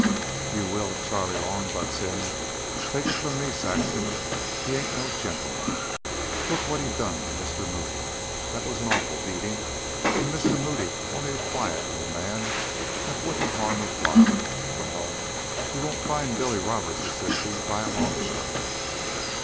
"You will, if Charley Long butts in. Take it from me, Saxon, he ain't no gentleman. Look what he done to Mr. Moody. That was a awful beatin'. An' Mr. Moody only a quiet little man that wouldn't harm a fly. Well, he won't find Billy Roberts a sissy by a long shot."